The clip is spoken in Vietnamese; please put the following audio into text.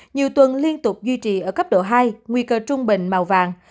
nhiều tuần liên tục duy trì ở cấp độ hai nguy cơ trung bình màu vàng